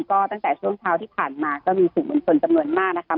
ก็ตั้งแต่ช่วงเช้าที่ผ่านมาก็มีสื่อมวลชนจำนวนมากนะคะ